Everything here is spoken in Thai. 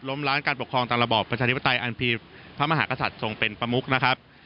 ล้านการปกครองตามระบอบประชาธิปไตยอันพระมหากษัตริย์ทรงเป็นประมุกนะครับ